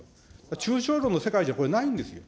抽象論の世界じゃ、これないんです。